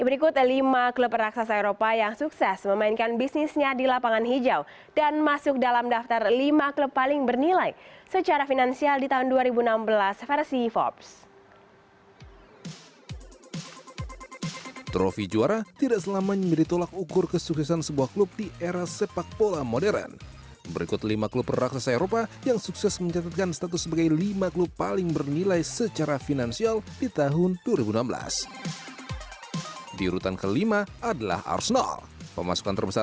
berikut lima klub raksasa eropa yang sukses memainkan bisnisnya di lapangan hijau dan masuk dalam daftar lima klub paling bernilai secara finansial di tahun dua ribu enam belas versi forbes